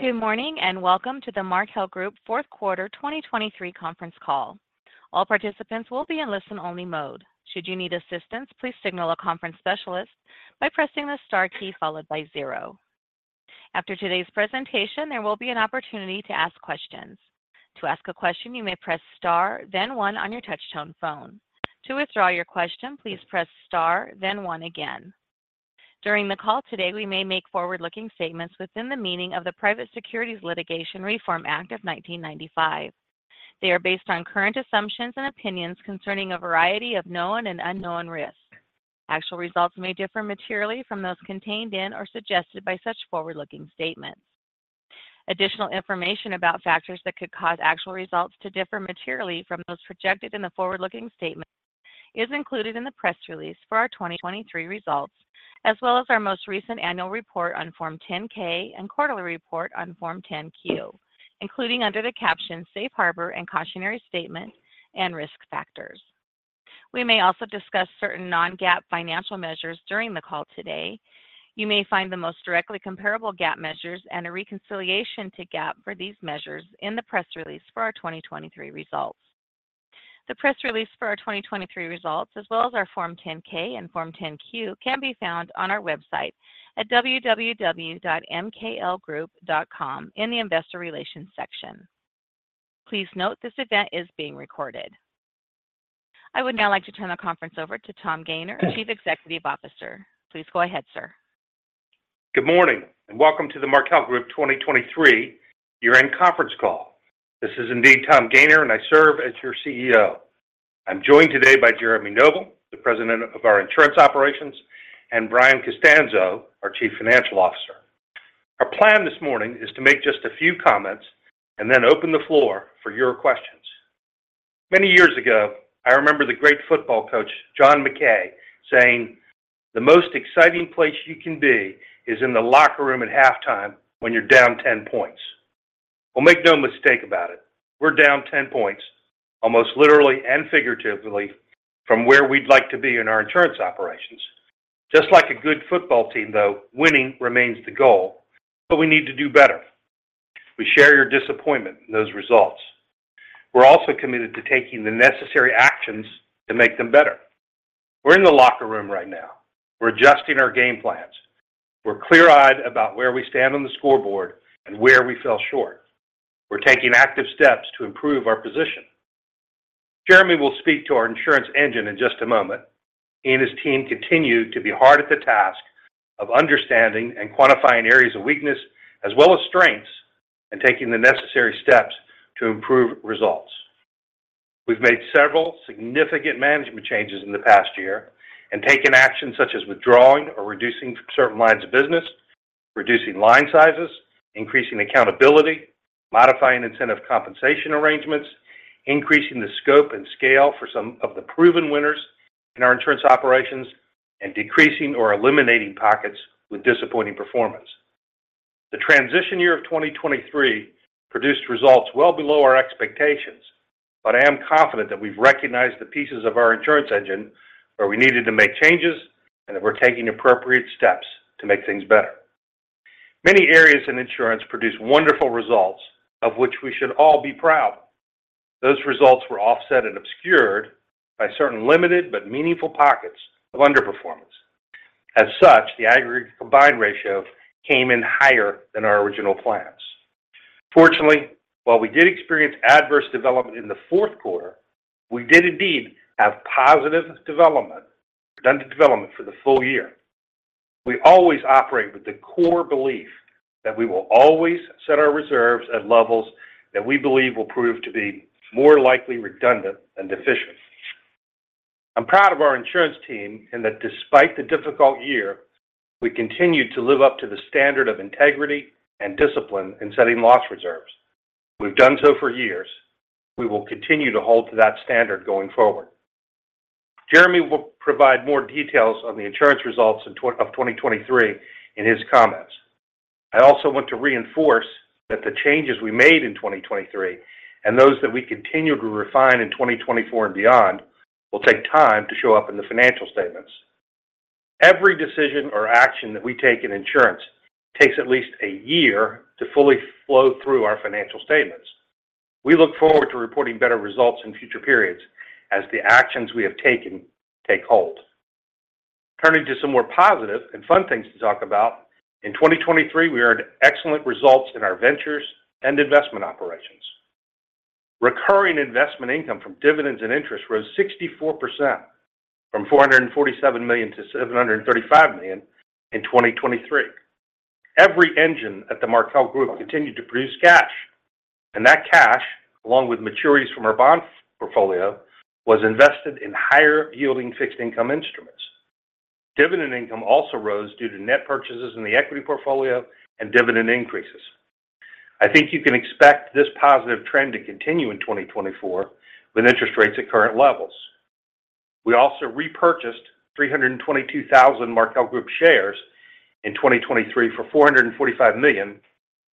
Good morning, and welcome to the Markel Group Fourth Quarter 2023 conference call. All participants will be in listen-only mode. Should you need assistance, please signal a conference specialist by pressing the star key followed by zero. After today's presentation, there will be an opportunity to ask questions. To ask a question, you may press star, then one on your touchtone phone. To withdraw your question, please press star, then one again. During the call today, we may make forward-looking statements within the meaning of the Private Securities Litigation Reform Act of 1995. They are based on current assumptions and opinions concerning a variety of known and unknown risks. Actual results may differ materially from those contained in or suggested by such forward-looking statements. Additional information about factors that could cause actual results to differ materially from those projected in the forward-looking statements is included in the press release for our 2023 results, as well as our most recent annual report on Form 10-K and quarterly report on Form 10-Q, including under the caption Safe Harbor and Cautionary Statement and Risk Factors. We may also discuss certain non-GAAP financial measures during the call today. You may find the most directly comparable GAAP measures and a reconciliation to GAAP for these measures in the press release for our 2023 results. The press release for our 2023 results, as well as our Form 10-K and Form 10-Q, can be found on our website at www.mklgroup.com in the Investor Relations section. Please note, this event is being recorded. I would now like to turn the conference over to Tom Gayner, Chief Executive Officer. Please go ahead, sir. Good morning, and welcome to the Markel Group 2023 year-end conference call. This is indeed Tom Gayner, and I serve as your CEO. I'm joined today by Jeremy Noble, the President of our Insurance Operations, and Brian Costanzo, our Chief Financial Officer. Our plan this morning is to make just a few comments and then open the floor for your questions. Many years ago, I remember the great football coach, John McKay, saying, "The most exciting place you can be is in the locker room at halftime when you're down 10 points." Well, make no mistake about it, we're down 10 points, almost literally and figuratively, from where we'd like to be in our insurance operations. Just like a good football team, though, winning remains the goal, but we need to do better. We share your disappointment in those results. We're also committed to taking the necessary actions to make them better. We're in the locker room right now. We're adjusting our game plans. We're clear-eyed about where we stand on the scoreboard and where we fell short. We're taking active steps to improve our position. Jeremy will speak to our insurance engine in just a moment. He and his team continue to be hard at the task of understanding and quantifying areas of weakness as well as strengths, and taking the necessary steps to improve results. We've made several significant management changes in the past year and taken actions such as withdrawing or reducing certain lines of business, reducing line sizes, increasing accountability, modifying incentive compensation arrangements, increasing the scope and scale for some of the proven winners in our insurance operations, and decreasing or eliminating pockets with disappointing performance. The transition year of 2023 produced results well below our expectations, but I am confident that we've recognized the pieces of our insurance engine, where we needed to make changes, and that we're taking appropriate steps to make things better. Many areas in insurance produce wonderful results of which we should all be proud. Those results were offset and obscured by certain limited but meaningful pockets of underperformance. As such, the aggregate combined ratio came in higher than our original plans. Fortunately, while we did experience adverse development in the fourth quarter, we did indeed have positive development, redundant development for the full-year. We always operate with the core belief that we will always set our reserves at levels that we believe will prove to be more likely redundant than deficient. I'm proud of our insurance team, and that despite the difficult year, we continue to live up to the standard of integrity and discipline in setting loss reserves. We've done so for years. We will continue to hold to that standard going forward. Jeremy will provide more details on the insurance results of 2023 in his comments. I also want to reinforce that the changes we made in 2023, and those that we continue to refine in 2024 and beyond, will take time to show up in the financial statements. Every decision or action that we take in insurance takes at least a year to fully flow through our financial statements. We look forward to reporting better results in future periods as the actions we have taken take hold. Turning to some more positive and fun things to talk about, in 2023, we had excellent results in our Ventures and investment operations. Recurring investment income from dividends and interest rose 64% from $447 million-$735 million in 2023. Every engine at the Markel Group continued to produce cash, and that cash, along with maturities from our bond portfolio, was invested in higher-yielding fixed income instruments. Dividend income also rose due to net purchases in the equity portfolio and dividend increases. I think you can expect this positive trend to continue in 2024 with interest rates at current levels. We also repurchased 322,000 Markel Group shares in 2023 for $445 million,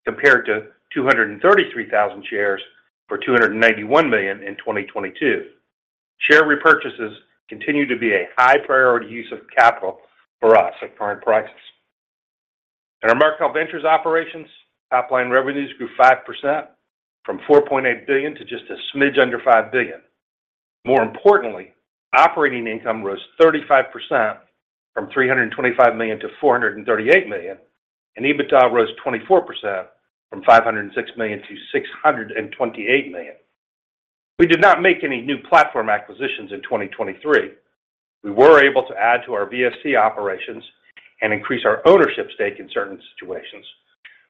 compared to 233,000 shares for $291 million in 2022. Share repurchases continue to be a high priority use of capital for us at current prices. In our Markel Ventures operations, top line revenues grew 5%, from $4.8 billion to just a smidge under $5 billion. More importantly, operating income rose 35% from $325 million-$438 million, and EBITDA rose 24% from $506 million-$628 million. We did not make any new platform acquisitions in 2023. We were able to add to our VSC operations and increase our ownership stake in certain situations.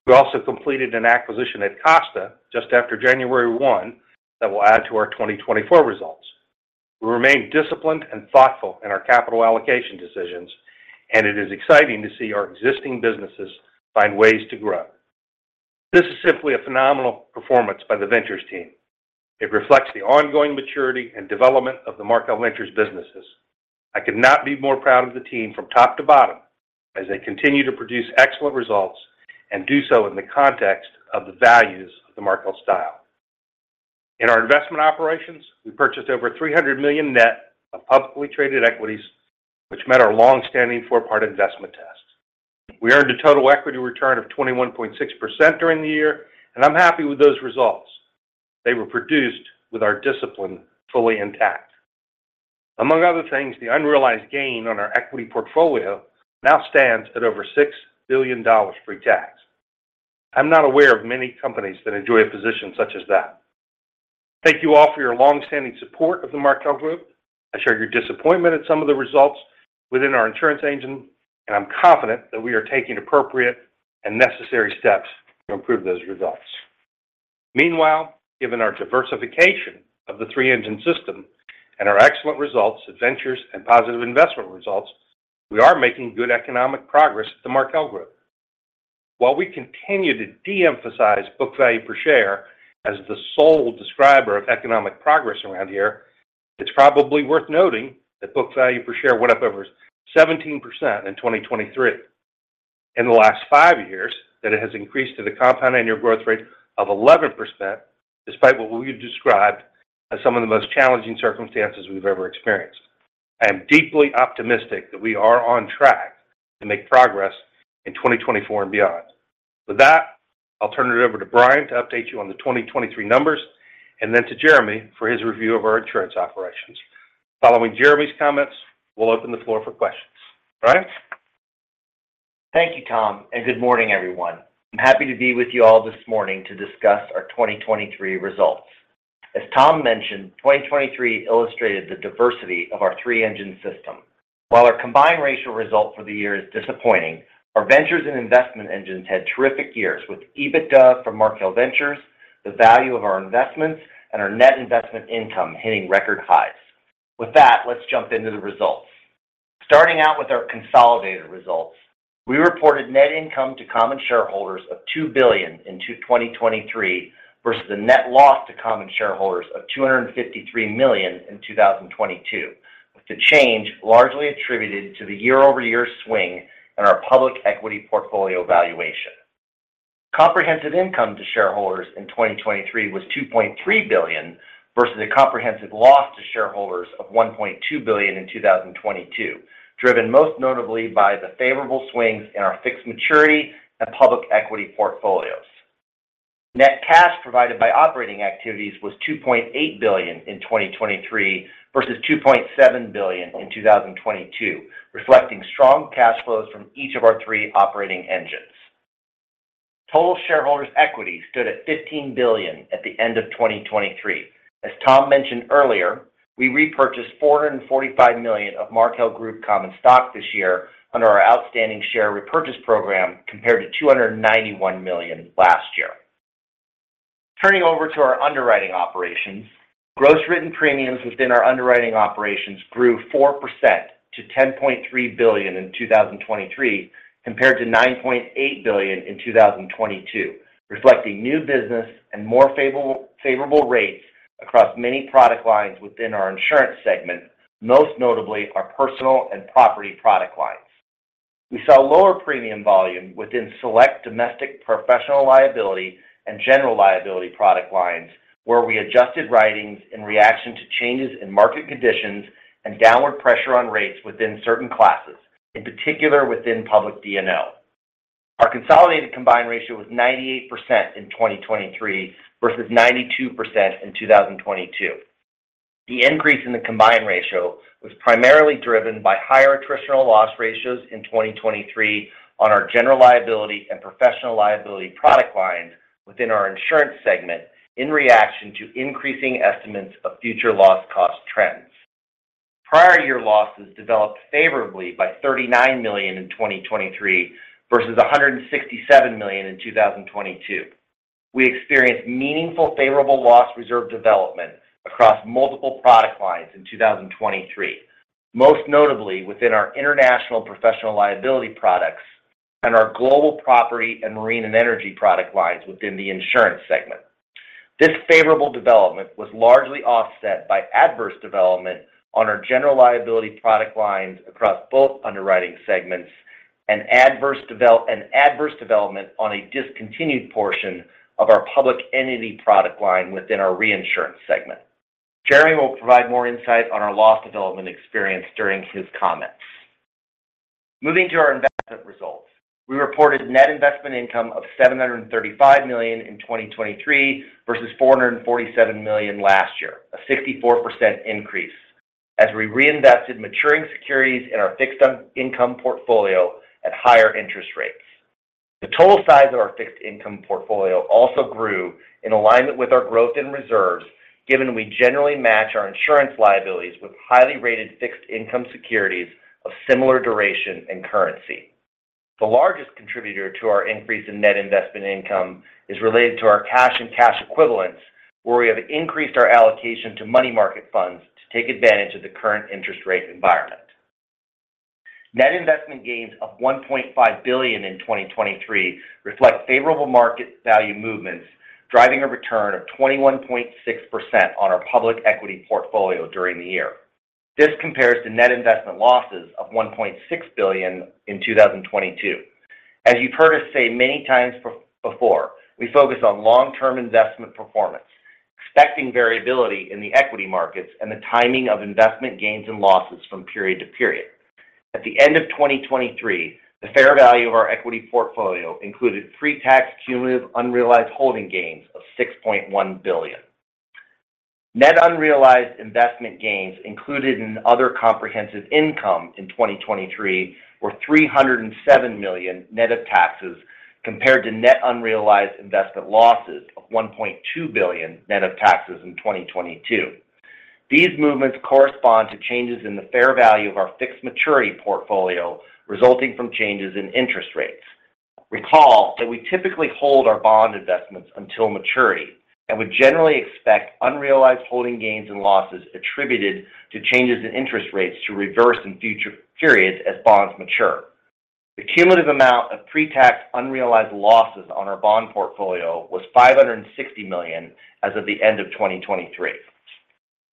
We also completed an acquisition at Costa just after January 1, that will add to our 2024 results. We remain disciplined and thoughtful in our capital allocation decisions, and it is exciting to see our existing businesses find ways to grow. This is simply a phenomenal performance by the Ventures team. It reflects the ongoing maturity and development of the Markel Ventures businesses. I could not be more proud of the team from top to bottom as they continue to produce excellent results and do so in the context of the values of the Markel Style. In our investment operations, we purchased over $3 million net of publicly traded equities, which met our long-standing four-part investment test. We earned a total equity return of 21.6% during the year, and I'm happy with those results. They were produced with our discipline fully intact. Among other things, the unrealized gain on our equity portfolio now stands at over $6 billion pre-tax. I'm not aware of many companies that enjoy a position such as that. Thank you all for your long-standing support of the Markel Group. I share your disappointment at some of the results within our insurance engine, and I'm confident that we are taking appropriate and necessary steps to improve those results. Meanwhile, given our diversification of the three-engine system and our excellent results, Ventures, and positive investment results, we are making good economic progress at the Markel Group. While we continue to de-emphasize book value per share as the sole describer of economic progress around here, it's probably worth noting that book value per share went up over 17% in 2023. In the last five years, that it has increased to the compound annual growth rate of 11%, despite what we've described as some of the most challenging circumstances we've ever experienced. I am deeply optimistic that we are on track to make progress in 2024 and beyond. With that, I'll turn it over to Brian to update you on the 2023 numbers, and then to Jeremy for his review of our insurance operations. Following Jeremy's comments, we'll open the floor for questions. Brian? Thank you, Tom, and good morning, everyone. I'm happy to be with you all this morning to discuss our 2023 results. As Tom mentioned, 2023 illustrated the diversity of our three-engine system. While our combined ratio result for the year is disappointing, our Ventures and investment engines had terrific years with EBITDA from Markel Ventures, the value of our investments, and our net investment income hitting record highs. With that, let's jump into the results. Starting out with our consolidated results, we reported net income to common shareholders of $2 billion in 2023 versus a net loss to common shareholders of $253 million in 2022, with the change largely attributed to the year-over-year swing in our public equity portfolio valuation. Comprehensive income to shareholders in 2023 was $2.3 billion, versus a comprehensive loss to shareholders of $1.2 billion in 2022, driven most notably by the favorable swings in our fixed maturity and public equity portfolios. Net cash provided by operating activities was $2.8 billion in 2023 versus $2.7 billion in 2022, reflecting strong cash flows from each of our three operating engines. Total shareholders' equity stood at $15 billion at the end of 2023. As Tom mentioned earlier, we repurchased $445 million of Markel Group common stock this year under our outstanding share repurchase program, compared to $291 million last year. Turning over to our underwriting operations, gross written premiums within our underwriting operations grew 4% to $10.3 billion in 2023, compared to $9.8 billion in 2022, reflecting new business and more favorable, favorable rates across many product lines within our insurance segment, most notably our personal and property product lines. We saw lower premium volume within select domestic professional liability and general liability product lines, where we adjusted writings in reaction to changes in market conditions and downward pressure on rates within certain classes, in particular within public D&O. Our consolidated combined ratio was 98% in 2023 versus 92% in 2022. The increase in the combined ratio was primarily driven by higher attritional loss ratios in 2023 on our general liability and professional liability product lines within our insurance segment, in reaction to increasing estimates of future loss cost trends. prior-year losses developed favorably by $39 million in 2023 versus $167 million in 2022. We experienced meaningful favorable loss reserve development across multiple product lines in 2023, most notably within our international professional liability products and our global property and marine and energy product lines within the insurance segment. This favorable development was largely offset by adverse development on our general liability product lines across both underwriting segments and an adverse development on a discontinued portion of our public entity product line within our reinsurance segment. Jeremy will provide more insight on our loss development experience during his comments. Moving to our investment results. We reported net investment income of $735 million in 2023 versus $447 million last year, a 64% increase, as we reinvested maturing securities in our fixed income portfolio at higher interest rates. The total size of our fixed income portfolio also grew in alignment with our growth in reserves, given we generally match our insurance liabilities with highly rated fixed income securities of similar duration and currency. The largest contributor to our increase in net investment income is related to our cash and cash equivalents, where we have increased our allocation to money market funds to take advantage of the current interest rate environment. Net investment gains of $1.5 billion in 2023 reflect favorable market value movements, driving a return of 21.6% on our public equity portfolio during the year. This compares to net investment losses of $1.6 billion in 2022. As you've heard us say many times before, we focus on long-term investment performance, expecting variability in the equity markets and the timing of investment gains and losses from period to period. At the end of 2023, the fair value of our equity portfolio included pretax cumulative unrealized holding gains of $6.1 billion. Net unrealized investment gains included in other comprehensive income in 2023 were $307 million net of taxes, compared to net unrealized investment losses of $1.2 billion net of taxes in 2022. These movements correspond to changes in the fair value of our fixed maturity portfolio, resulting from changes in interest rates. Recall that we typically hold our bond investments until maturity and would generally expect unrealized holding gains and losses attributed to changes in interest rates to reverse in future periods as bonds mature. The cumulative amount of pretax unrealized losses on our bond portfolio was $560 million as of the end of 2023.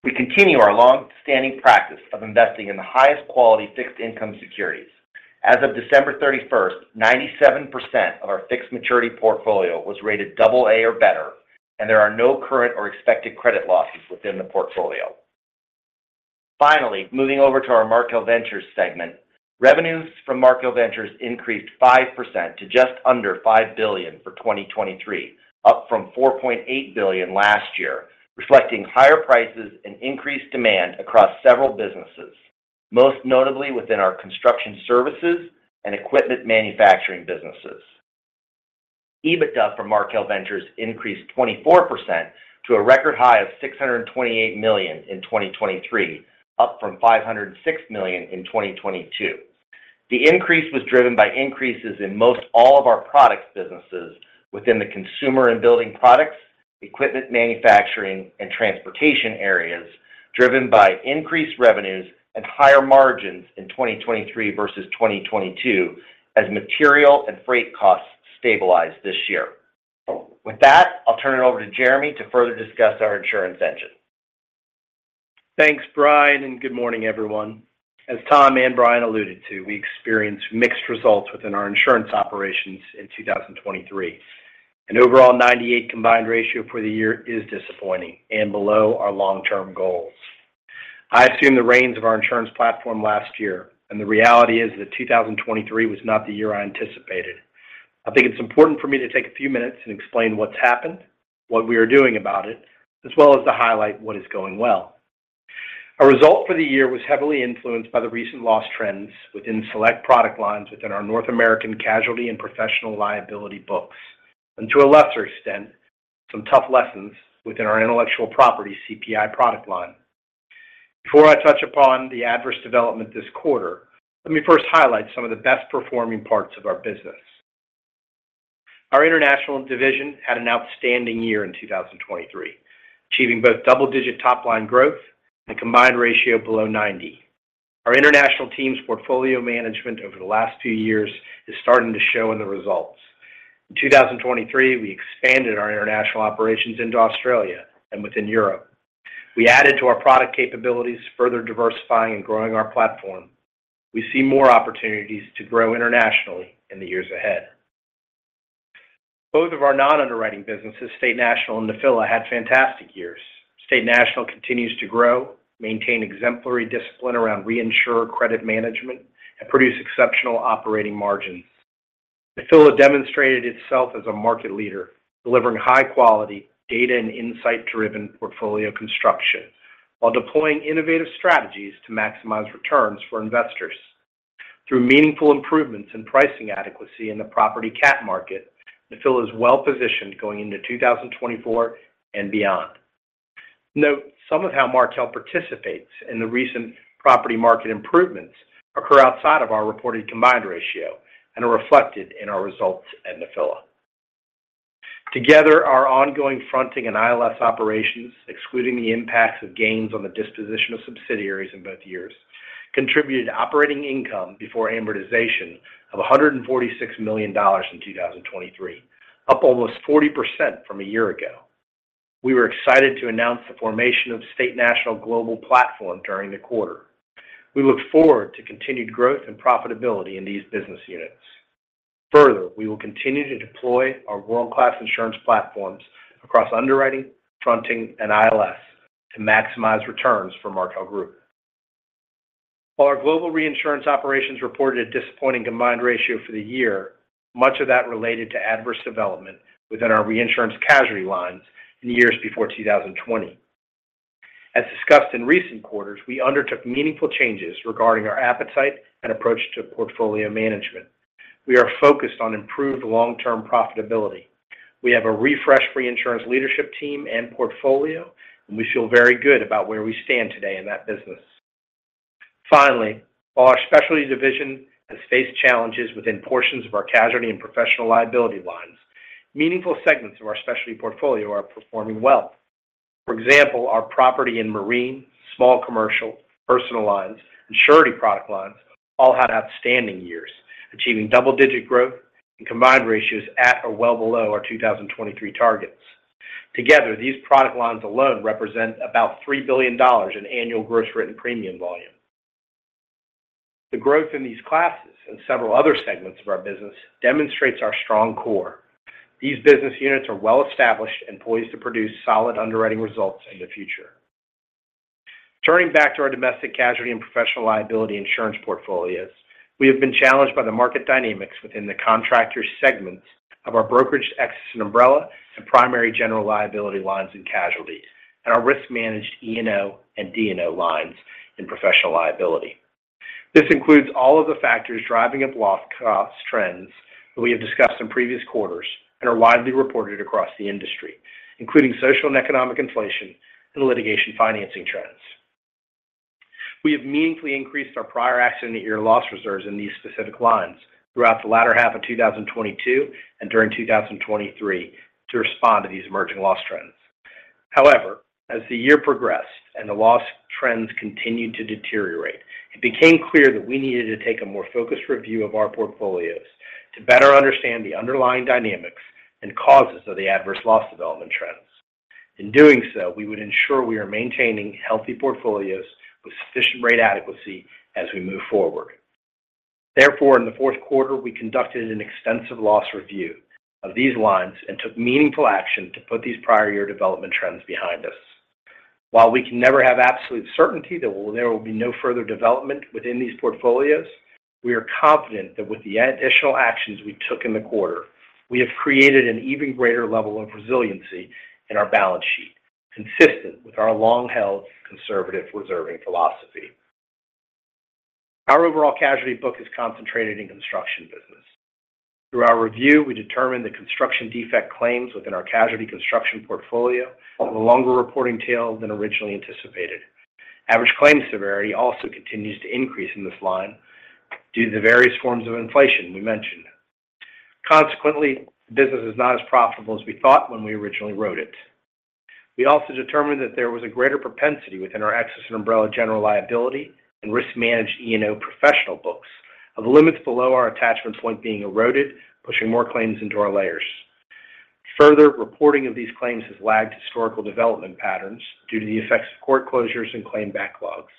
We continue our long-standing practice of investing in the highest quality fixed income securities. As of December 31, 97% of our fixed maturity portfolio was rated double A or better, and there are no current or expected credit losses within the portfolio. Finally, moving over to our Markel Ventures segment. Revenues from Markel Ventures increased 5% to just under $5 billion for 2023, up from $4.8 billion last year, reflecting higher prices and increased demand across several businesses, most notably within our construction services and equipment manufacturing businesses. EBITDA from Markel Ventures increased 24% to a record high of $628 million in 2023, up from $506 million in 2022. The increase was driven by increases in most all of our products businesses within the consumer and building products, equipment manufacturing, and transportation areas, driven by increased revenues and higher margins in 2023 versus 2022 as material and freight costs stabilized this year. With that, I'll turn it over to Jeremy to further discuss our insurance engine. Thanks, Brian, and good morning, everyone. As Tom and Brian alluded to, we experienced mixed results within our insurance operations in 2023. An overall 98 combined ratio for the year is disappointing and below our long-term goals. I assumed the reins of our insurance platform last year, and the reality is that 2023 was not the year I anticipated. I think it's important for me to take a few minutes and explain what's happened, what we are doing about it, as well as to highlight what is going well. Our result for the year was heavily influenced by the recent loss trends within select product lines within our North American casualty and professional liability books, and to a lesser extent, some tough lessons within our intellectual property CPI product line. Before I touch upon the adverse development this quarter, let me first highlight some of the best-performing parts of our business. Our international division had an outstanding year in 2023, achieving both double-digit top-line growth and a combined ratio below 90%. Our international team's portfolio management over the last few years is starting to show in the results. In 2023, we expanded our international operations into Australia and within Europe. We added to our product capabilities, further diversifying and growing our platform. We see more opportunities to grow internationally in the years ahead. Both of our non-underwriting businesses, State National and Nephila, had fantastic years. State National continues to grow, maintain exemplary discipline around reinsurer credit management, and produce exceptional operating margins. Nephila demonstrated itself as a market leader, delivering high-quality data and insight-driven portfolio construction while deploying innovative strategies to maximize returns for investors. Through meaningful improvements in pricing adequacy in the property cat market, Nephila is well-positioned going into 2024 and beyond. Note, some of how Markel participates in the recent property market improvements occur outside of our reported combined ratio and are reflected in our results at Nephila. Together, our ongoing fronting and ILS operations, excluding the impacts of gains on the disposition of subsidiaries in both years, contributed operating income before amortization of $146 million in 2023, up almost 40% from a year ago. We were excited to announce the formation of State National Global Platform during the quarter. We look forward to continued growth and profitability in these business units. Further, we will continue to deploy our world-class insurance platforms across underwriting, fronting, and ILS to maximize returns for Markel Group. While our global reinsurance operations reported a disappointing combined ratio for the year, much of that related to adverse development within our reinsurance casualty lines in the years before 2020. As discussed in recent quarters, we undertook meaningful changes regarding our appetite and approach to portfolio management. We are focused on improved long-term profitability. We have a refreshed reinsurance leadership team and portfolio, and we feel very good about where we stand today in that business. Finally, while our specialty division has faced challenges within portions of our casualty and professional liability lines, meaningful segments of our specialty portfolio are performing well. For example, our property and marine, small commercial, personal lines, and surety product lines all had outstanding years, achieving double-digit growth and combined ratios at or well below our 2023 targets. Together, these product lines alone represent about $3 billion in annual gross written premium volume. The growth in these classes and several other segments of our business demonstrates our strong core. These business units are well-established and poised to produce solid underwriting results in the future. Turning back to our domestic casualty and professional liability insurance portfolios, we have been challenged by the market dynamics within the contractor segments of our brokerage, excess and umbrella, and primary general liability lines in casualty, and our risk-managed E&O and D&O lines in professional liability. This includes all of the factors driving up loss costs trends that we have discussed in previous quarters and are widely reported across the industry, including social and economic inflation and litigation financing trends. We have meaningfully increased our prior accident year loss reserves in these specific lines throughout the latter half of 2022 and during 2023 to respond to these emerging loss trends. However, as the year progressed and the loss trends continued to deteriorate, it became clear that we needed to take a more focused review of our portfolios to better understand the underlying dynamics and causes of the adverse loss development trends. In doing so, we would ensure we are maintaining healthy portfolios with sufficient rate adequacy as we move forward. Therefore, in the fourth quarter, we conducted an extensive loss review of these lines and took meaningful action to put these prior-year development trends behind us. While we can never have absolute certainty that there will be no further development within these portfolios, we are confident that with the additional actions we took in the quarter, we have created an even greater level of resiliency in our balance sheet, consistent with our long-held conservative reserving philosophy. Our overall casualty book is concentrated in construction business. Through our review, we determined the construction defect claims within our casualty construction portfolio have a longer reporting tail than originally anticipated. Average claim severity also continues to increase in this line due to the various forms of inflation we mentioned. Consequently, the business is not as profitable as we thought when we originally wrote it. We also determined that there was a greater propensity within our excess and umbrella general liability and risk-managed E&O professional books of the limits below our attachment point being eroded, pushing more claims into our layers. Further, reporting of these claims has lagged historical development patterns due to the effects of court closures and claim backlogs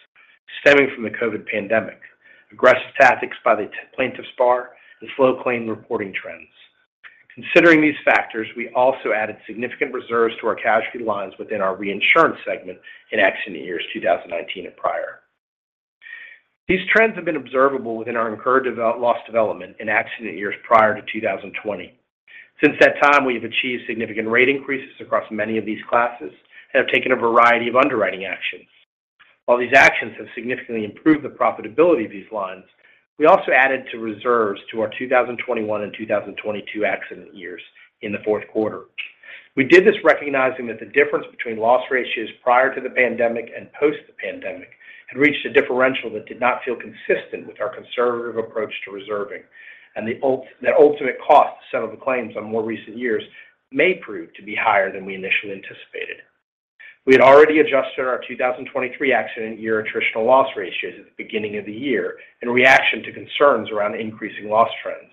stemming from the COVID pandemic, aggressive tactics by the plaintiff's bar, and slow claim reporting trends. Considering these factors, we also added significant reserves to our casualty lines within our reinsurance segment in accident years 2019 and prior. These trends have been observable within our incurred loss development in accident years prior to 2020. Since that time, we have achieved significant rate increases across many of these classes and have taken a variety of underwriting actions. While these actions have significantly improved the profitability of these lines, we also added to reserves to our 2021 and 2022 accident years in the fourth quarter. We did this recognizing that the difference between loss ratios prior to the pandemic and post the pandemic had reached a differential that did not feel consistent with our conservative approach to reserving, and the ultimate cost to settle the claims on more recent years may prove to be higher than we initially anticipated. We had already adjusted our 2023 accident year attritional loss ratios at the beginning of the year in reaction to concerns around increasing loss trends.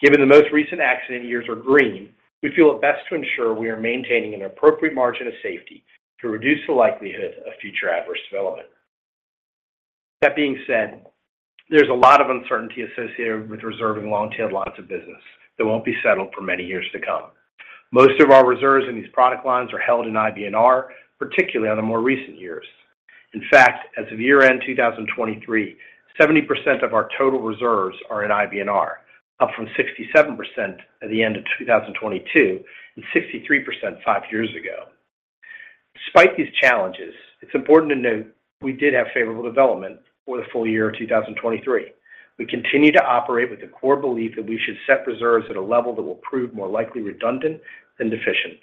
Given the most recent accident years are green, we feel it best to ensure we are maintaining an appropriate margin of safety to reduce the likelihood of future adverse development. That being said, there's a lot of uncertainty associated with reserving long-tail lines of business that won't be settled for many years to come. Most of our reserves in these product lines are held in IBNR, particularly on the more recent years. In fact, as of year-end 2023, 70% of our total reserves are in IBNR, up from 67% at the end of 2022, and 63% five years ago. Despite these challenges, it's important to note we did have favorable development for the full-year of 2023. We continue to operate with the core belief that we should set reserves at a level that will prove more likely redundant than deficient.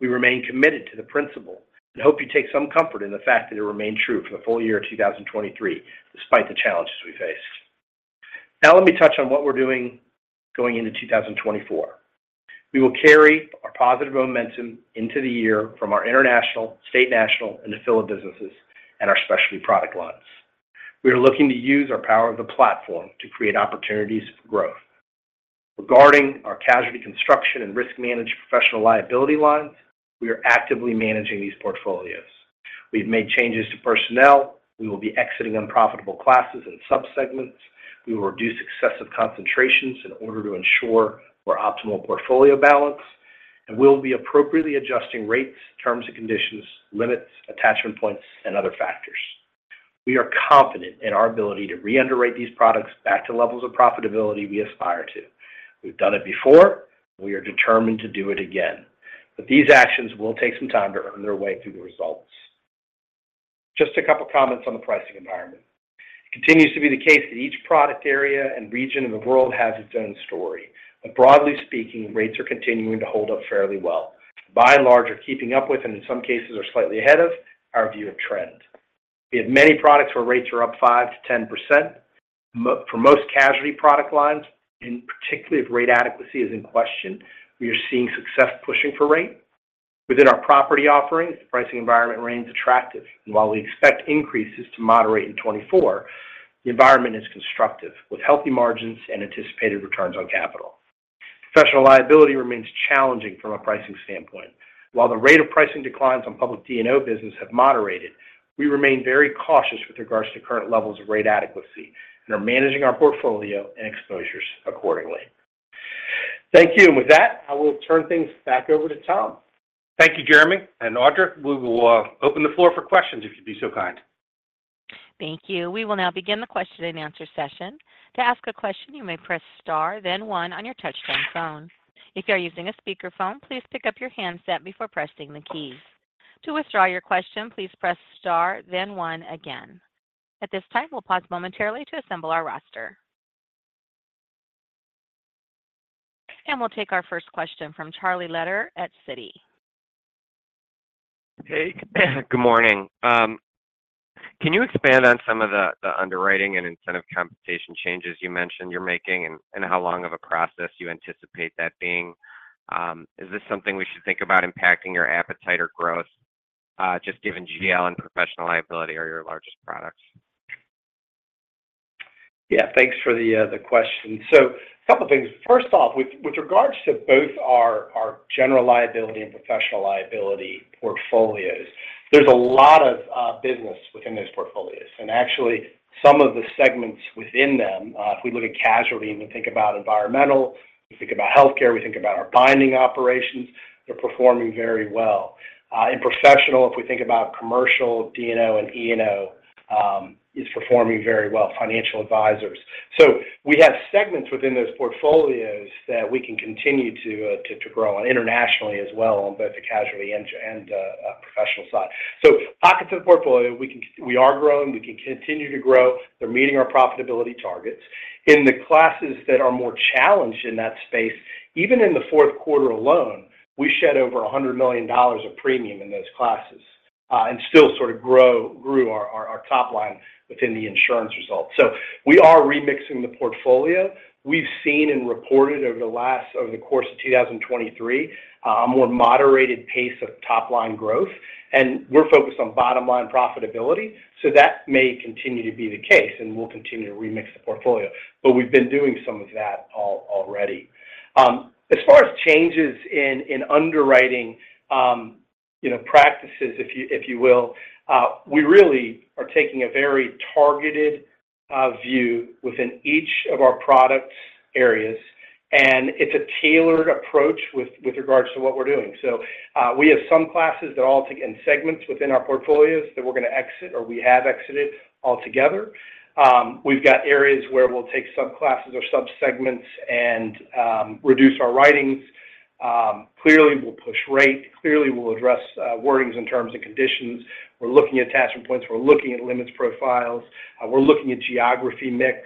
We remain committed to the principle and hope you take some comfort in the fact that it remained true for the full-year of 2023, despite the challenges we faced. Now, let me touch on what we're doing going into 2024. We will carry our positive momentum into the year from our international, State National, and Nephila businesses, and our specialty product lines. We are looking to use our power of the platform to create opportunities for growth.... Regarding our casualty construction and risk managed professional liability lines, we are actively managing these portfolios. We've made changes to personnel. We will be exiting unprofitable classes and subsegments. We will reduce excessive concentrations in order to ensure our optimal portfolio balance, and we'll be appropriately adjusting rates, terms and conditions, limits, attachment points, and other factors. We are confident in our ability to reunderwrite these products back to levels of profitability we aspire to. We've done it before, and we are determined to do it again, but these actions will take some time to earn their way through the results. Just a couple of comments on the pricing environment. It continues to be the case that each product area and region of the world has its own story, but broadly speaking, rates are continuing to hold up fairly well. By and large, are keeping up with, and in some cases, are slightly ahead of our view of trend. We have many products where rates are up 5%-10%. For most casualty product lines, and particularly if rate adequacy is in question, we are seeing success pushing for rate. Within our property offerings, the pricing environment remains attractive, and while we expect increases to moderate in 2024, the environment is constructive, with healthy margins and anticipated returns on capital. Professional liability remains challenging from a pricing standpoint. While the rate of pricing declines on public D&O business have moderated, we remain very cautious with regards to current levels of rate adequacy and are managing our portfolio and exposures accordingly. Thank you. And with that, I will turn things back over to Tom. Thank you, Jeremy and Audra. We will open the floor for questions, if you'd be so kind. Thank you. We will now begin the question-and-answer session. To ask a question, you may press star, then one on your touchtone phone. If you are using a speakerphone, please pick up your handset before pressing the key. To withdraw your question, please press star, then one again. At this time, we'll pause momentarily to assemble our roster. We'll take our first question from Charlie Lederer at Citi. Hey, good morning. Can you expand on some of the underwriting and incentive compensation changes you mentioned you're making, and how long of a process you anticipate that being? Is this something we should think about impacting your appetite or growth, just given GL and professional liability are your largest products? Yeah, thanks for the, the question. So a couple of things. First off, with, with regards to both our, our general liability and professional liability portfolios, there's a lot of, business within those portfolios. And actually, some of the segments within them, if we look at casualty, and we think about environmental, we think about healthcare, we think about our binding operations, they're performing very well. In professional, if we think about commercial, D&O, and E&O, is performing very well, financial advisors. So we have segments within those portfolios that we can continue to, to, to grow on internationally as well, on both the casualty and, and, professional side. So pockets of the portfolio, we can - we are growing, we can continue to grow. They're meeting our profitability targets. In the classes that are more challenged in that space, even in the fourth quarter alone, we shed over $100 million of premium in those classes, and still sort of grew our top line within the insurance results. So we are remixing the portfolio. We've seen and reported over the course of 2023, a more moderated pace of top-line growth, and we're focused on bottom-line profitability, so that may continue to be the case, and we'll continue to remix the portfolio. But we've been doing some of that already. As far as changes in underwriting, you know, practices, if you will, we really are taking a very targeted view within each of our product areas, and it's a tailored approach with regards to what we're doing. So, we have some classes and segments within our portfolios that we're going to exit or we have exited altogether. We've got areas where we'll take subclasses or subsegments and reduce our writings. Clearly, we'll push rate. Clearly, we'll address wordings in terms and conditions. We're looking at attachment points. We're looking at limits profiles. We're looking at geography mix.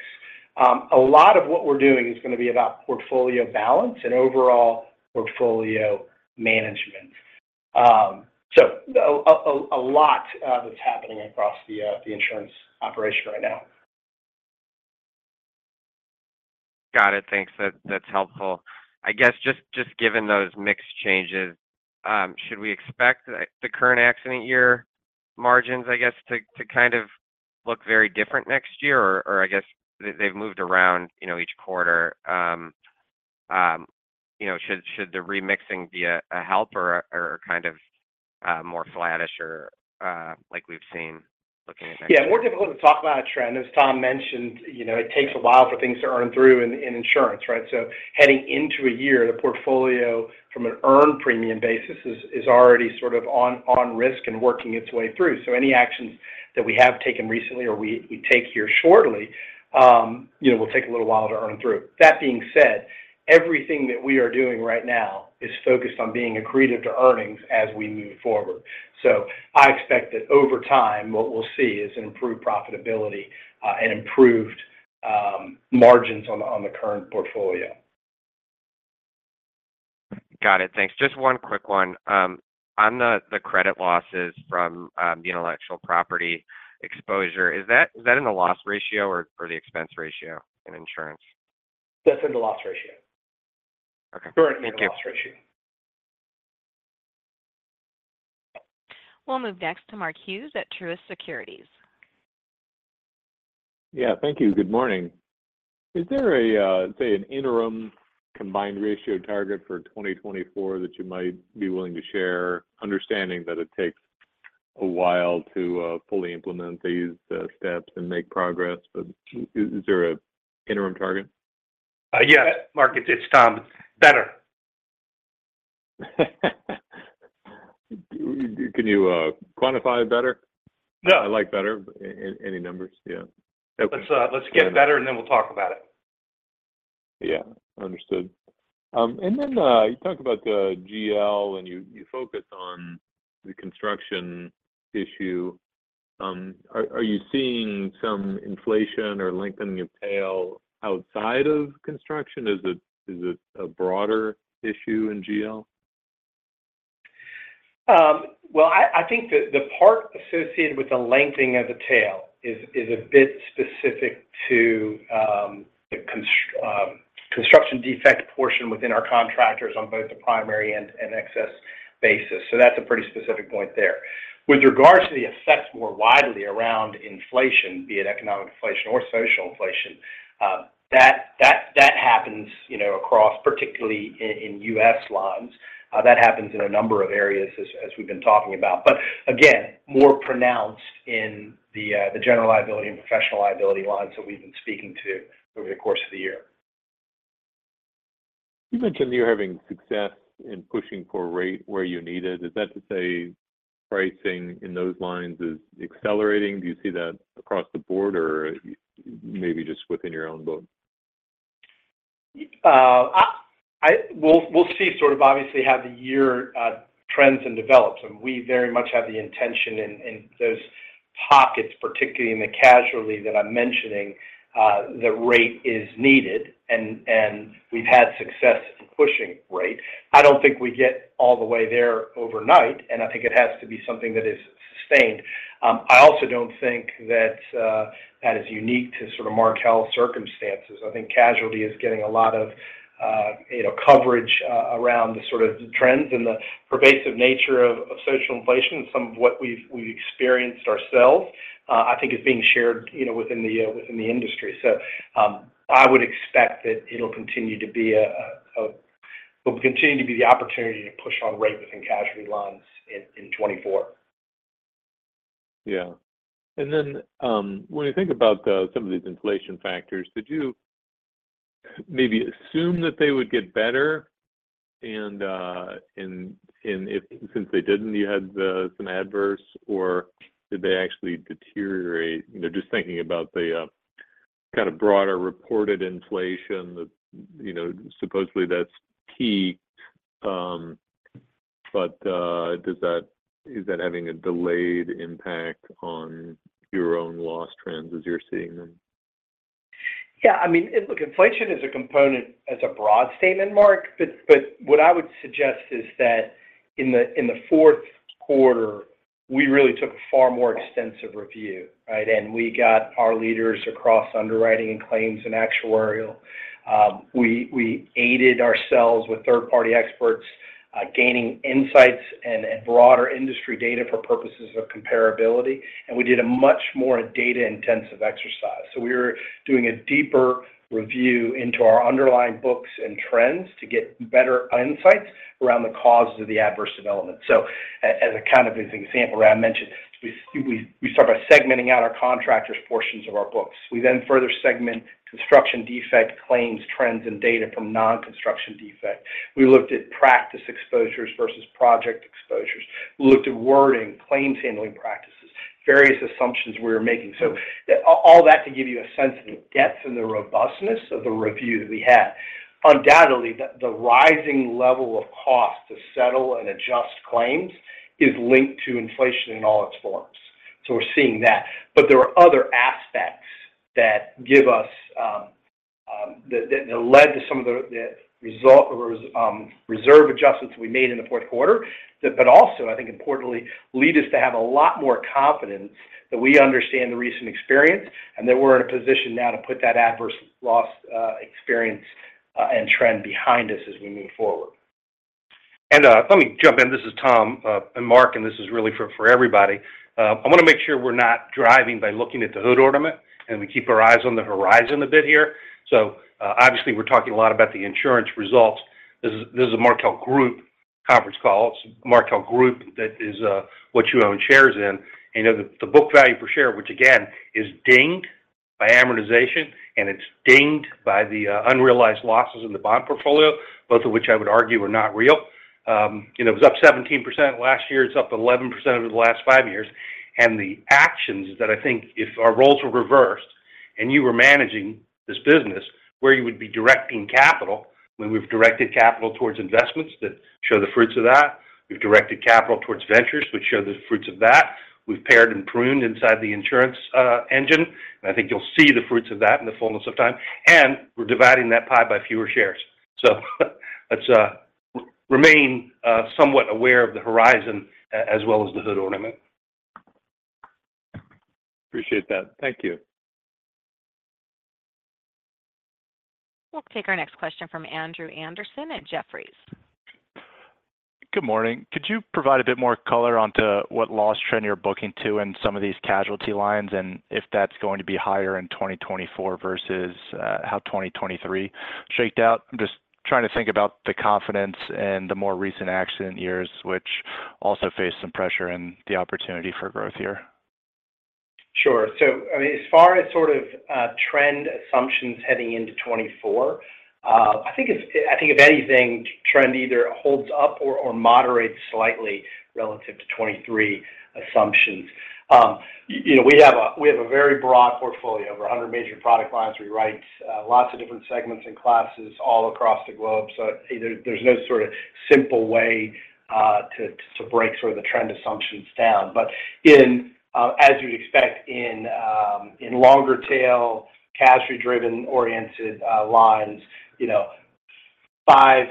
A lot of what we're doing is going to be about portfolio balance and overall portfolio management. So, a lot that's happening across the insurance operation right now. Got it. Thanks. That's helpful. I guess, just given those mix changes, should we expect the current accident year margins, I guess, to kind of look very different next year? Or, I guess they've moved around, you know, each quarter. You know, should the remixing be a help or kind of more flattish or like we've seen looking at that? Yeah, more difficult to talk about a trend. As Tom mentioned, you know, it takes a while for things to earn through in insurance, right? So heading into a year, the portfolio from an earned premium basis is already sort of on risk and working its way through. So any actions that we have taken recently or we take here shortly, you know, will take a little while to earn through. That being said, everything that we are doing right now is focused on being accretive to earnings as we move forward. So I expect that over time, what we'll see is improved profitability and improved margins on the current portfolio. Got it. Thanks. Just one quick one. On the, the credit losses from, the intellectual property exposure, is that, is that in the loss ratio or, or the expense ratio in insurance? That's in the loss ratio. Okay. Currently in the loss ratio. We'll move next to Mark Hughes at Truist Securities. Yeah, thank you. Good morning. Is there a, say, an interim combined ratio target for 2024 that you might be willing to share? Understanding that it takes a while to fully implement these steps and make progress, but is there an interim target? Yes, Mark, it's Tom. Better. Can you quantify better? No. I like better, but any numbers? Yeah. Let's get better, and then we'll talk about it. Yeah, understood. And then you talk about the GL, and you focus on the construction issue. Are you seeing some inflation or lengthening of tail outside of construction? Is it a broader issue in GL? Well, I think the part associated with the lengthening of the tail is a bit specific to the construction defect portion within our contractors on both the primary and excess basis, so that's a pretty specific point there. With regards to the effects more widely around inflation, be it economic inflation or social inflation, that happens, you know, across, particularly in U.S. lines. That happens in a number of areas as we've been talking about, but again, more pronounced in the general liability and professional liability lines that we've been speaking to over the course of the year. You mentioned you're having success in pushing for rate where you need it. Is that to say pricing in those lines is accelerating? Do you see that across the board or maybe just within your own book? We'll see sort of obviously how the year trends and develops, and we very much have the intention in those pockets, particularly in the casualty that I'm mentioning, the rate is needed, and we've had success in pushing rate. I don't think we get all the way there overnight, and I think it has to be something that is sustained. I also don't think that is unique to sort of Markel's circumstances. I think casualty is getting a lot of, you know, coverage around the sort of trends and the pervasive nature of social inflation and some of what we've experienced ourselves. I think it's being shared, you know, within the industry. I would expect that it'll continue to be the opportunity to push on rates within casualty lines in 2024. Yeah. And then, when you think about some of these inflation factors, did you maybe assume that they would get better and, and if... since they didn't, you had some adverse, or did they actually deteriorate? You know, just thinking about the kind of broader reported inflation that, you know, supposedly that's peaked, but, does that- is that having a delayed impact on your own loss trends as you're seeing them? Yeah, I mean, look, inflation is a component as a broad statement, Mark, but what I would suggest is that in the fourth quarter, we really took a far more extensive review, right? And we got our leaders across underwriting and claims and actuarial. We aided ourselves with third-party experts, gaining insights and broader industry data for purposes of comparability, and we did a much more data-intensive exercise. So we were doing a deeper review into our underlying books and trends to get better insights around the causes of the adverse development. So as a kind of an example that I mentioned, we start by segmenting out our contractors' portions of our books. We then further segment construction defect claims, trends, and data from non-construction defect. We looked at practice exposures versus project exposures. We looked at wording, claims handling practices, various assumptions we were making. So all that to give you a sense of the depth and the robustness of the review that we had. Undoubtedly, the rising level of cost to settle and adjust claims is linked to inflation in all its forms. So we're seeing that. But there are other aspects that give us that led to some of the reserve adjustments we made in the fourth quarter, but also, I think importantly, lead us to have a lot more confidence that we understand the recent experience, and that we're in a position now to put that adverse loss experience and trend behind us as we move forward. And let me jump in. This is Tom and Mark, and this is really for everybody. I want to make sure we're not driving by looking at the hood ornament, and we keep our eyes on the horizon a bit here. So, obviously, we're talking a lot about the insurance results. This is a Markel Group conference call. It's Markel Group that is, what you own shares in. You know, the book value per share, which again, is dinged by amortization, and it's dinged by the, unrealized losses in the bond portfolio, both of which I would argue are not real. You know, it was up 17% last year. It's up 11% over the last five years. And the actions that I think if our roles were reversed and you were managing this business, where you would be directing capital, when we've directed capital towards investments that show the fruits of that, we've directed capital towards Ventures, which show the fruits of that. We've paired and pruned inside the insurance engine, and I think you'll see the fruits of that in the fullness of time, and we're dividing that pie by fewer shares. So let's remain somewhat aware of the horizon as well as the hood ornament. Appreciate that. Thank you. ... We'll take our next question from Andrew Andersen at Jefferies. Good morning. Could you provide a bit more color on to what loss trend you're booking to in some of these casualty lines, and if that's going to be higher in 2024 versus how 2023 shaped out? I'm just trying to think about the confidence and the more recent accident years, which also face some pressure and the opportunity for growth here. Sure. So, I mean, as far as sort of trend assumptions heading into 2024, I think if anything, trend either holds up or moderates slightly relative to 2023 assumptions. You know, we have a very broad portfolio, over 100 major product lines. We write lots of different segments and classes all across the globe, so there's no sort of simple way to break sort of the trend assumptions down. But as you'd expect in longer tail, casualty-driven oriented lines, you know, 5-8%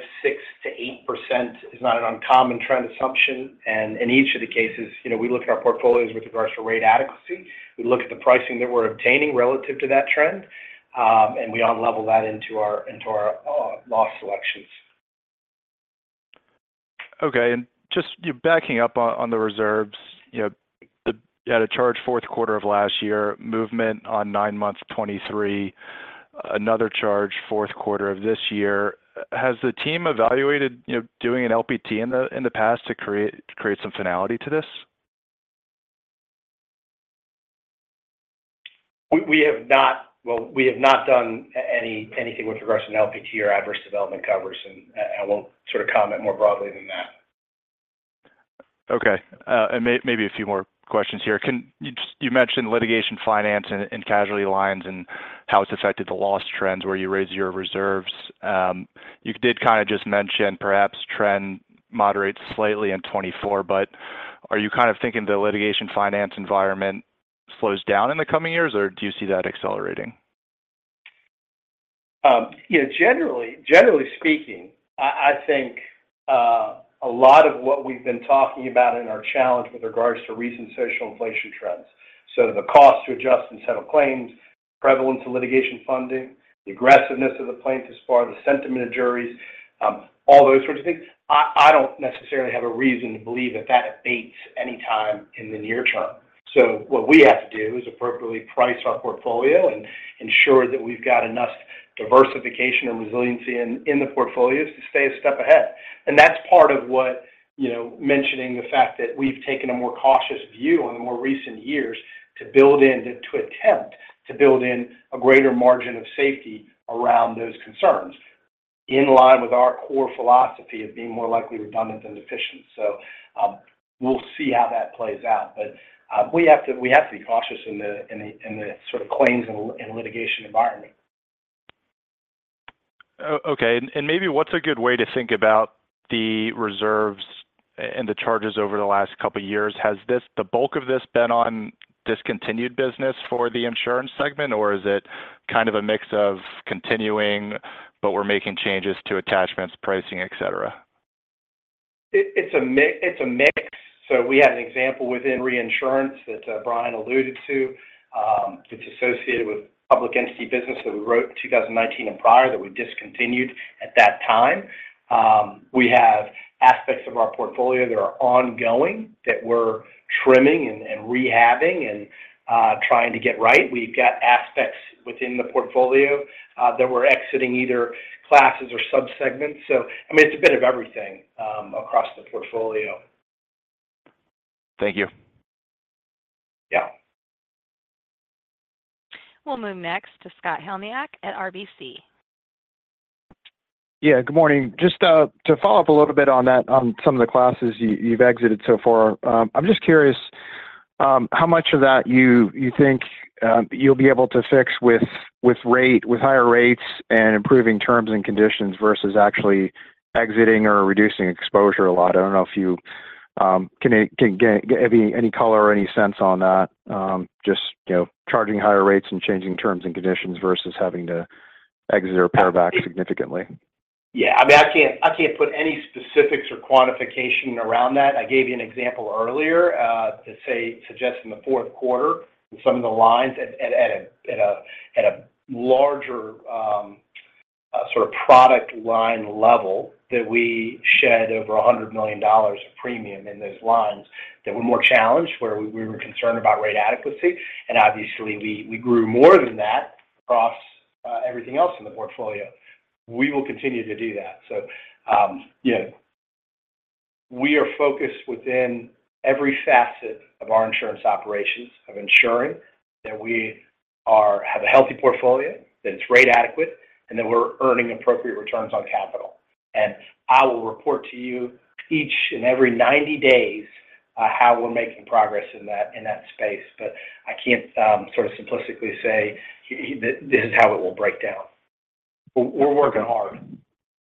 is not an uncommon trend assumption. And in each of the cases, you know, we look at our portfolios with regards to rate adequacy. We look at the pricing that we're obtaining relative to that trend, and we on level that into our loss selections. Okay. And just you backing up on the reserves, you know, you had a charged fourth quarter of last year, movement on nine months 2023, another charge fourth quarter of this year. Has the team evaluated, you know, doing an LPT in the past to create some finality to this? We have not... Well, we have not done anything with regards to an LPT or adverse development covers, and I won't sort of comment more broadly than that. Okay, and maybe a few more questions here. You mentioned litigation finance and casualty lines and how it's affected the loss trends where you raise your reserves. You did kind of just mention perhaps trend moderates slightly in 2024, but are you kind of thinking the litigation finance environment slows down in the coming years, or do you see that accelerating? Yeah, generally speaking, I think a lot of what we've been talking about in our challenge with regards to recent social inflation trends, so the cost to adjust and settle claims, prevalence of litigation funding, the aggressiveness of the plaintiffs as far as the sentiment of juries, all those sorts of things, I don't necessarily have a reason to believe that that abates any time in the near term. So what we have to do is appropriately price our portfolio and ensure that we've got enough diversification and resiliency in the portfolios to stay a step ahead. That's part of what, you know, mentioning the fact that we've taken a more cautious view on the more recent years to build in, to attempt to build in a greater margin of safety around those concerns, in line with our core philosophy of being more likely redundant than deficient. So, we'll see how that plays out, but we have to be cautious in the sort of claims and litigation environment. Okay. And maybe what's a good way to think about the reserves and the charges over the last couple of years? Has the bulk of this been on discontinued business for the insurance segment, or is it kind of a mix of continuing, but we're making changes to attachments, pricing, et cetera? It's a mix. So we had an example within reinsurance that Brian alluded to, that's associated with public entity business that we wrote in 2019 and prior that we discontinued at that time. We have aspects of our portfolio that are ongoing, that we're trimming and rehabbing and trying to get right. We've got aspects within the portfolio that we're exiting, either classes or subsegments. So, I mean, it's a bit of everything across the portfolio. Thank you. Yeah. We'll move next to Scott Heleniak at RBC. Yeah, good morning. Just to follow up a little bit on that, on some of the classes you've exited so far, I'm just curious how much of that you think you'll be able to fix with higher rates and improving terms and conditions versus actually exiting or reducing exposure a lot? I don't know if you can get any color or any sense on that, just you know, charging higher rates and changing terms and conditions versus having to exit or pare back significantly. Yeah, I mean, I can't put any specifics or quantification around that. I gave you an example earlier to say, suggesting the fourth quarter in some of the lines at a larger sort of product line level, that we shed over $100 million of premium in those lines that were more challenged, where we were concerned about rate adequacy, and obviously, we grew more than that across everything else in the portfolio. We will continue to do that. So, you know, we are focused within every facet of our insurance operations of ensuring that we have a healthy portfolio, that it's rate adequate, and that we're earning appropriate returns on capital. I will report to you each and every 90 days how we're making progress in that space. But I can't sort of simplistically say, this is how it will break down. We're working hard.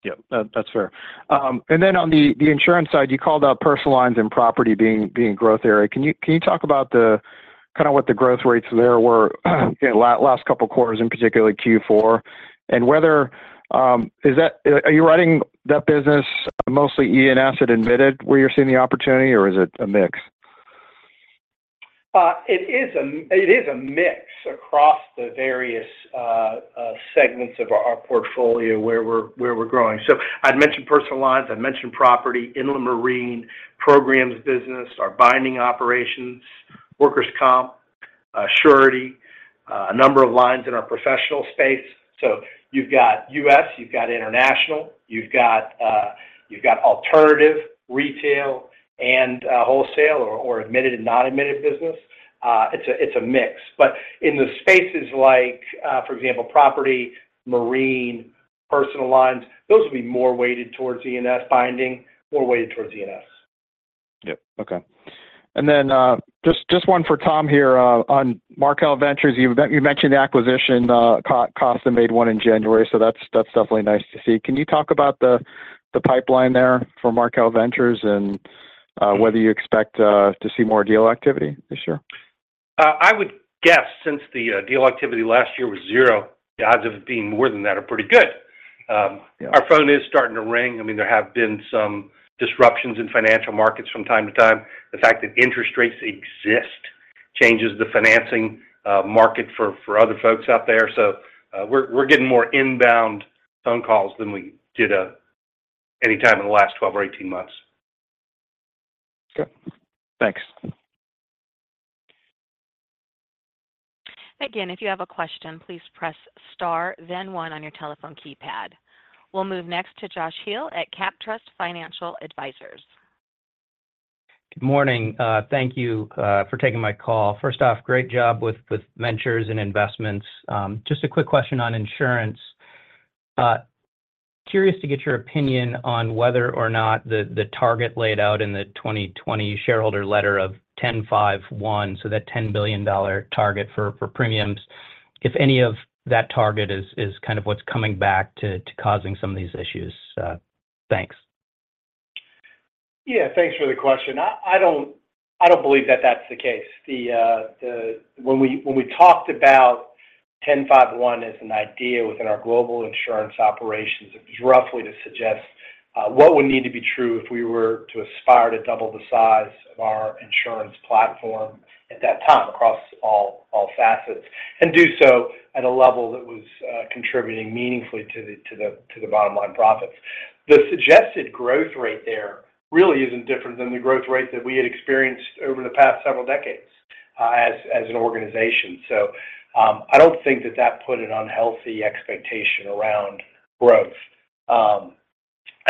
Yeah, that's fair. And then on the insurance side, you called out personal lines and property being growth area. Can you talk about kind of what the growth rates there were in last couple of quarters, in particular Q4? And whether... Is that, are you running that business mostly E&S and admitted, where you're seeing the opportunity, or is it a mix?... it is a, it is a mix across the various, segments of our, our portfolio where we're, where we're growing. So I'd mentioned personal lines, I'd mentioned property, inland marine, programs business, our binding operations, workers' comp, surety, a number of lines in our professional space. So you've got U.S., you've got international, you've got, you've got alternative retail and, wholesale, or, or admitted and non-admitted business. It's a, it's a mix. But in the spaces like, for example, property, marine, personal lines, those will be more weighted towards E&S binding, more weighted towards E&S. Yep. Okay. And then, just, just one for Tom here, on Markel Ventures. You mentioned the acquisition, Costa made one in January, so that's, that's definitely nice to see. Can you talk about the pipeline there for Markel Ventures and, whether you expect, to see more deal activity this year? I would guess, since the deal activity last year was zero, the odds of it being more than that are pretty good. Yeah. Our phone is starting to ring. I mean, there have been some disruptions in financial markets from time to time. The fact that interest rates exist changes the financing market for other folks out there. So, we're getting more inbound phone calls than we did anytime in the last 12 or 18 months. Okay. Thanks. Again, if you have a question, please press Star, then 1 on your telephone keypad. We'll move next to Josh Heale at Captrust Financial Advisors. Good morning, thank you for taking my call. First off, great job with Ventures and investments. Just a quick question on insurance. Curious to get your opinion on whether or not the target laid out in the 2020 shareholder letter of 10-5-1, so that $10 billion target for premiums, if any of that target is kind of what's coming back to causing some of these issues? Thanks. Yeah, thanks for the question. I don't believe that that's the case. When we talked about 10-5-1 as an idea within our global insurance operations, it was roughly to suggest what would need to be true if we were to aspire to double the size of our insurance platform at that time, across all facets, and do so at a level that was contributing meaningfully to the bottom line profits. The suggested growth rate there really isn't different than the growth rate that we had experienced over the past several decades as an organization. So, I don't think that put an unhealthy expectation around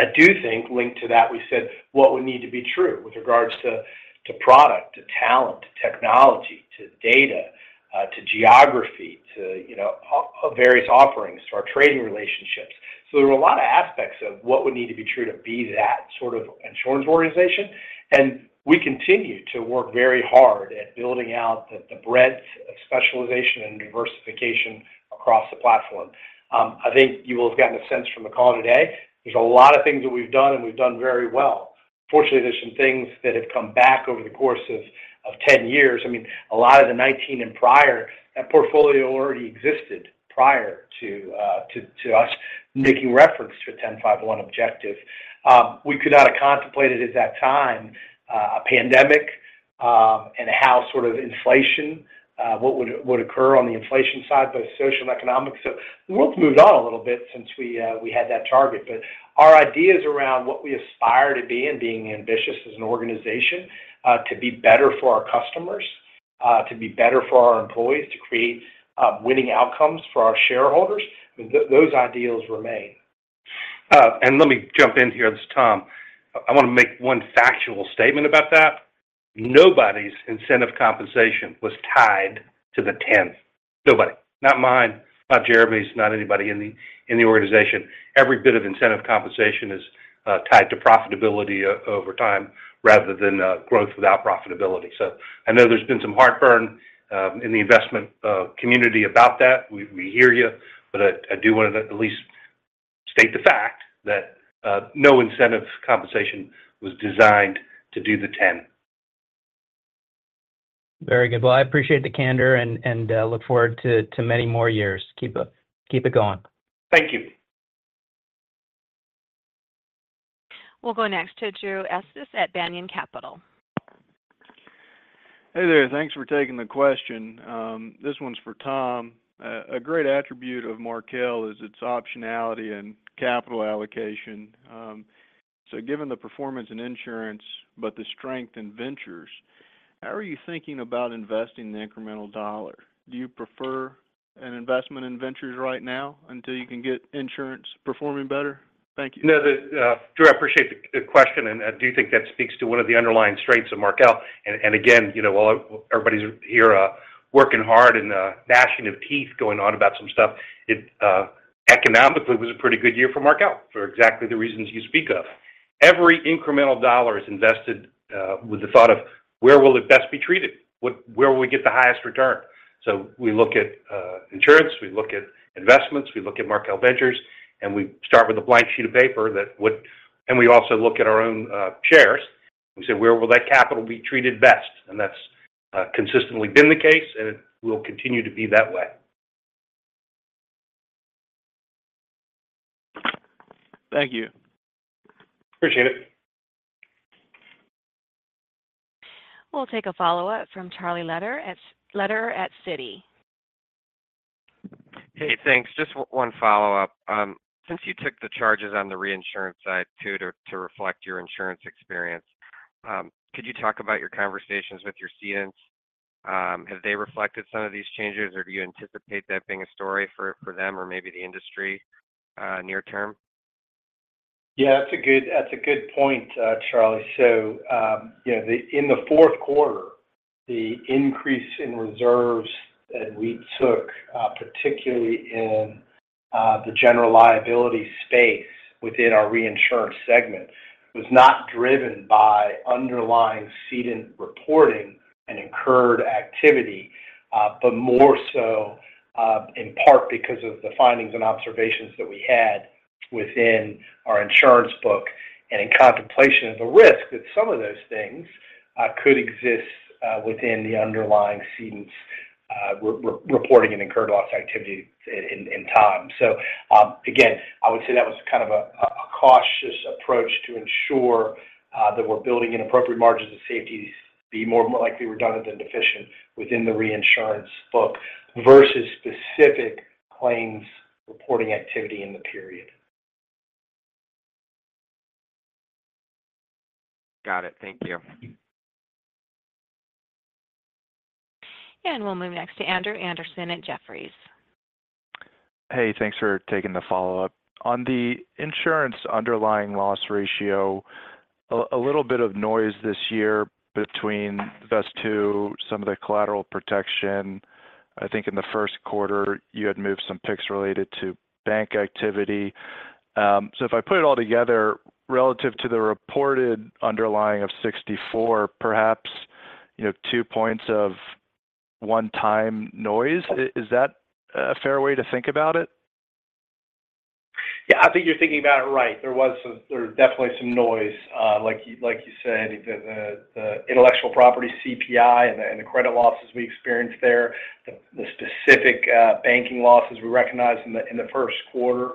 growth. I do think linked to that, we said what would need to be true with regards to, to product, to talent, to technology, to data, to geography, to, you know, various offerings, to our trading relationships. So there were a lot of aspects of what would need to be true to be that sort of insurance organization, and we continue to work very hard at building out the, the breadth of specialization and diversification across the platform. I think you all have gotten a sense from the call today, there's a lot of things that we've done, and we've done very well. Fortunately, there's some things that have come back over the course of, of 10 years. I mean, a lot of the 2019 and prior, that portfolio already existed prior to, to, to us making reference to a 10-5-1 objective. We could not have contemplated at that time a pandemic and how sort of inflation what would occur on the inflation side, both social and economic. So the world's moved on a little bit since we had that target. But our ideas around what we aspire to be and being ambitious as an organization to be better for our customers to be better for our employees to create winning outcomes for our shareholders, those ideals remain. And let me jump in here. This is Tom. I want to make one factual statement about that. Nobody's incentive compensation was tied to the 10. Nobody. Not mine, not Jeremy's, not anybody in the organization. Every bit of incentive compensation is tied to profitability over time rather than growth without profitability. So I know there's been some heartburn in the investment community about that. We hear you, but I do want to at least state the fact that no incentive compensation was designed to do the ten. Very good. Well, I appreciate the candor and look forward to many more years. Keep it going. Thank you. We'll go next to Drew Estes at Banyan Capital. Hey there. Thanks for taking the question. This one's for Tom. A great attribute of Markel is its optionality in capital allocation. So given the performance in insurance, but the strength in Ventures, how are you thinking about investing the incremental dollar? Do you prefer an investment in Ventures right now until you can get insurance performing better? Thank you. No, Drew, I appreciate the question, and I do think that speaks to one of the underlying strengths of Markel. And again, you know, while everybody's here working hard and gnashing of teeth going on about some stuff, it economically was a pretty good year for Markel for exactly the reasons you speak of. Every incremental dollar is invested with the thought of: where will it best be treated? Where will we get the highest return? So we look at insurance, we look at investments, we look at Markel Ventures, and we start with a blank sheet of paper that would. And we also look at our own shares, and we say, where will that capital be treated best? And that's consistently been the case, and it will continue to be that way. Thank you. Appreciate it. We'll take a follow-up from Charlie Lederer at Citi. Hey, thanks. Just one follow-up. Since you took the charges on the reinsurance side, too, to reflect your insurance experience, could you talk about your conversations with your cedents? Have they reflected some of these changes, or do you anticipate that being a story for them or maybe the industry near term? Yeah, that's a good, that's a good point, Charlie. So, you know, the in the fourth quarter, the increase in reserves that we took, particularly in the general liability space within our reinsurance segment, was not driven by underlying cedent reporting and incurred activity, but more so, in part because of the findings and observations that we had within our insurance book and in contemplation of the risk that some of those things could exist within the underlying cedents', reporting and incurred loss activity in time. So, again, I would say that was kind of a cautious approach to ensure that we're building in appropriate margins of safety, be more likely redundant than deficient within the reinsurance book, versus specific claims reporting activity in the period. Got it. Thank you. We'll move next to Andrew Andersen at Jefferies. Hey, thanks for taking the follow-up. On the insurance underlying loss ratio, a little bit of noise this year between Vesttoo, some of the collateral protection. I think in the first quarter, you had moved some picks related to bank activity. So if I put it all together, relative to the reported underlying of 64, perhaps, you know, two points of one-time noise, is that a fair way to think about it? Yeah, I think you're thinking about it right. There was some... There was definitely some noise, like you said, the intellectual property CPI and the credit losses we experienced there, the specific banking losses we recognized in the first quarter.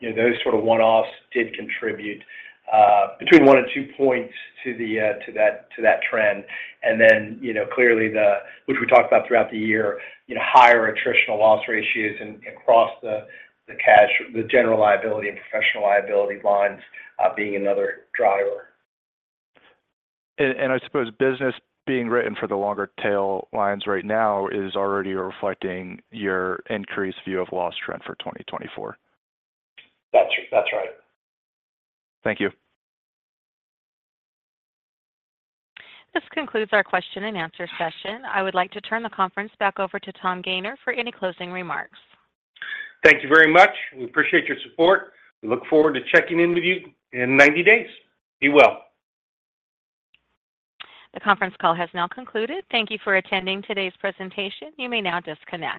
You know, those sort of one-offs did contribute between one and two points to that trend. And then, you know, clearly, which we talked about throughout the year, you know, higher attritional loss ratios across the casualty, the general liability and professional liability lines being another driver. I suppose business being written for the longer tail lines right now is already reflecting your increased view of loss trend for 2024? That's, that's right. Thank you. This concludes our question and answer session. I would like to turn the conference back over to Tom Gayner for any closing remarks. Thank you very much. We appreciate your support. We look forward to checking in with you in 90 days. Be well. The conference call has now concluded. Thank you for attending today's presentation. You may now disconnect.